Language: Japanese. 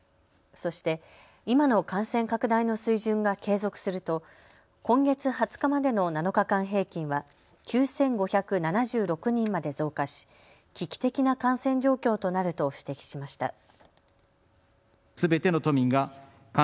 そして今の感染拡大の水準が継続すると今月２０日までの７日間平均は９５７６人まで増加し、危機的な感染状況となると指摘しました。